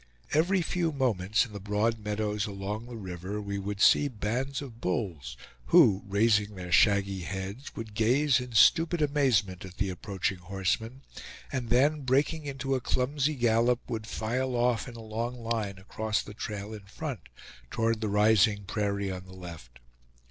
Every few moments in the broad meadows along the river, we would see bands of bulls, who, raising their shaggy heads, would gaze in stupid amazement at the approaching horsemen, and then breaking into a clumsy gallop, would file off in a long line across the trail in front, toward the rising prairie on the left.